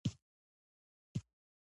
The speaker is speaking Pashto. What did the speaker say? مځکه د ګلونو کور ده.